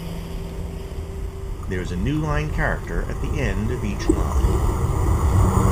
There is a newline character at the end of each line.